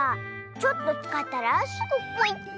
ちょっとつかったらすぐポイっと！